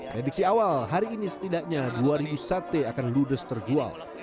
prediksi awal hari ini setidaknya dua sate akan ludes terjual